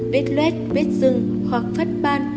vết luet vết dưng hoặc phất ban